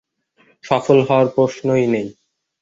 সফল হওয়ার প্রশ্নই নেই।